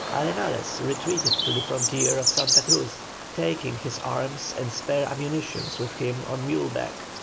Arenales retreated to the frontier of Santa Cruz, taking his arms and spare ammunition with him on mule back.